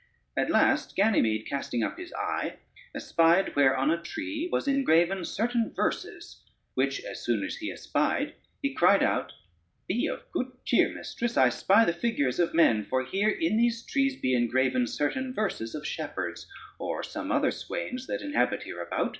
At last Ganymede casting up his eye espied where on a tree was engraven certain verses; which as soon as he espied, he cried out: "Be of good cheer, mistress, I spy the figures of men; for here in these trees be engraven certain verses of shepherds, or some other swains that inhabit hereabout."